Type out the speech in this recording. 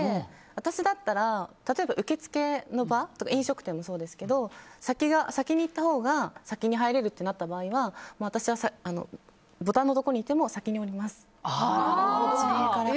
私だったら、例えば受付の場とか飲食店もそうですけど先に行ったほうが先に入れるという場合は私はボタンのところにいても先に降ります、自分から。